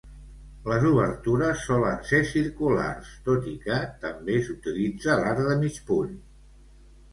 Les obertures solen ser circulars, tot i que també s'utilitza l'arc de mig punt.